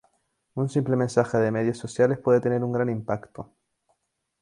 Un simple mensaje de medios sociales puede tener un gran impacto".